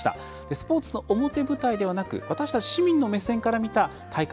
スポーツの表舞台ではなく私たち市民の目線から見た大会